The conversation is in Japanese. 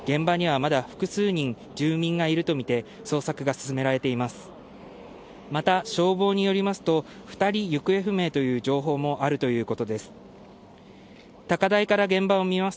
また、消防によりますと、２人行方不明という情報もあるということです。